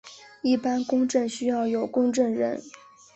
一般公证需要有公证人。